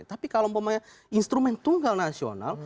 tapi kalau instrumen tunggal nasional